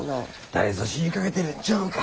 誰ぞ死にかけてるんちゃうんか？